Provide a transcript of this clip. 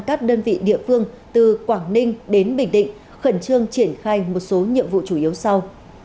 các đơn vị địa phương từ quảng ninh đến bình định khẩn trương triển khai một số nhiệm vụ chủ yếu sau